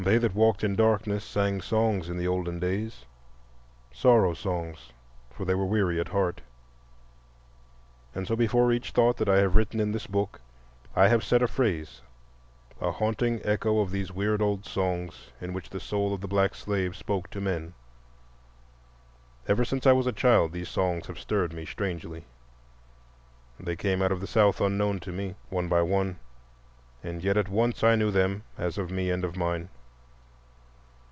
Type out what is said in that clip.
They that walked in darkness sang songs in the olden days—Sorrow Songs—for they were weary at heart. And so before each thought that I have written in this book I have set a phrase, a haunting echo of these weird old songs in which the soul of the black slave spoke to men. Ever since I was a child these songs have stirred me strangely. They came out of the South unknown to me, one by one, and yet at once I knew them as of me and of mine.